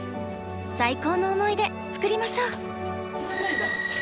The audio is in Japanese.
最高の思い出作りましょう。